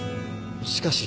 しかし。